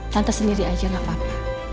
tante sendiri aja gak apa apa